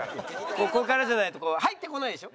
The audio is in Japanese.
ここからじゃないとこう入ってこないでしょ？